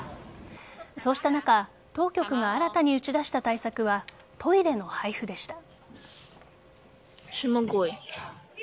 そうした中当局が新たに打ち出した対策はトイレの配布でした。